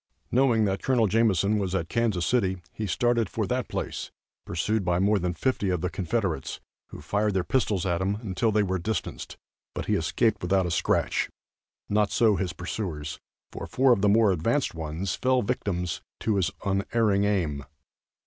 Knowing that Col. Jameson was at Kansas City, he started for that place, pursued by more than fifty of the Confederates, who fired their pistols at him until they were distanced, but he escaped without a scratch; not so his pursuers, for four of the more advanced ones fell victims to his unerring aim.